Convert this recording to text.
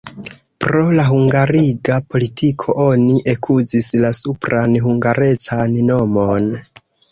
Pro la hungariga politiko oni ekuzis la supran hungarecan nomon.